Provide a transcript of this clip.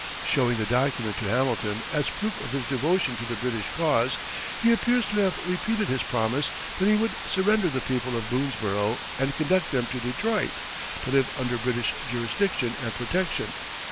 Showing the document to Hamilton as proof of his devotion to the British cause, he appears to have repeated his promise that he would surrender the people of Boonesborough and conduct them to Detroit, to live under British jurisdiction and protection.